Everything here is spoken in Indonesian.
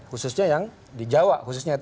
khususnya yang di jawa